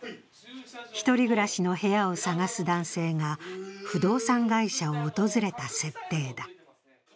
１人暮らしの部屋を探す男性が不動産会社を訪れた設定だ。